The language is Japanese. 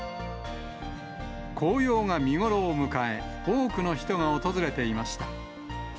紅葉が見頃を迎え、多くの人が訪れていました。